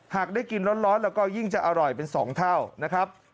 หากได้กินร้อนแล้วก็ยิ่งจะอร่อยเป็น๒เท่านะครับ